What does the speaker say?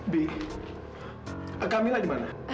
bi kamila dimana